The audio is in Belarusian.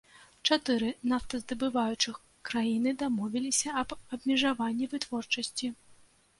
Чатыры нафтаздабываючых краіны дамовіліся аб абмежаванні вытворчасці.